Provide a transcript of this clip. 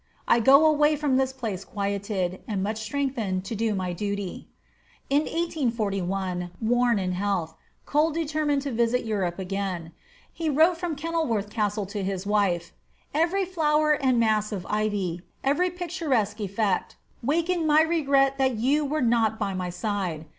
I go away from this place quieted, and much strengthened to do my duty." In 1841, worn in health, Cole determined to visit Europe again. He wrote from Kenilworth Castle to his wife, "Every flower and mass of ivy, every picturesque effect, waked my regret that you were not by my side....